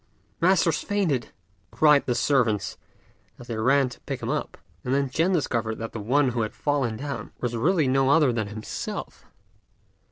"Master's fainted!" cried the servants, as they ran to pick him up; and then Ch'ên discovered that the one who had fallen down was really no other than himself.